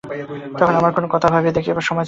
তখন আমার কোনো কথা ভাবিয়া দেখিবার সময় ছিল না।